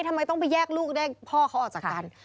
ทำไมต้องไปแยกลูกแยกพ่อเขาออกจากกัน